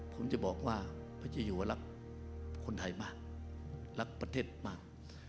ผมจะบอกว่าพระเจ้าอยู่ว่ารักคนไทยมากรักประเทศมาก